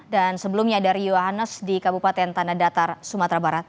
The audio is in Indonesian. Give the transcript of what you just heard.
dan sebelumnya dari yohannes di kabupaten tanah datar sumatera barat